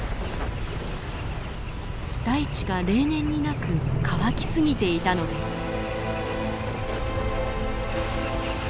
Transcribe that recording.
大地が例年になく乾き過ぎていたのです。